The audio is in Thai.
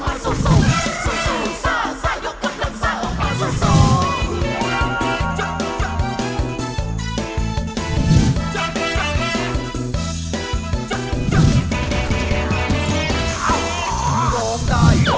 พอภูมิใจที่สุด